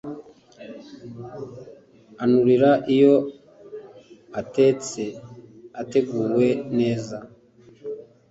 anurira iyo atetse ateguwe neza